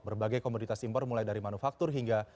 berbagai komoditas impor mulai dari manufaktur hingga